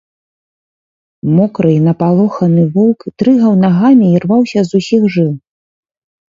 Мокры і напалоханы воўк дрыгаў нагамі і рваўся з усіх жыл.